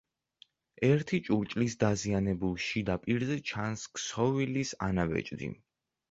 ერთი ჭურჭლის დაზიანებულ შიდა პირზე ჩანს ქსოვილის ანაბეჭდი.